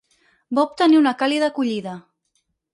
Va obtenir una càlida acollida.